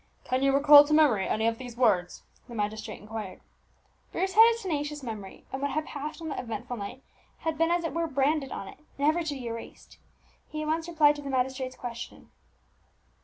"Can you recall to memory any of those words?" the magistrate inquired. Bruce had a tenacious memory, and what had passed on that eventful night had been as it were branded on it, never to be erased. He at once replied to the magistrate's question.